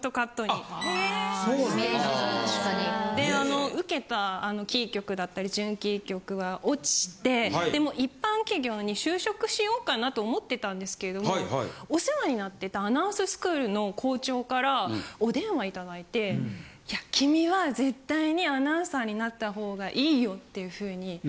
あの受けたキー局だったり準キー局は落ちてもう一般企業に就職しようかなと思ってたんですけれどもお世話になってたアナウンススクールの校長からお電話いただいて君は絶対にアナウンサーになったほうがいいよっていうふうに。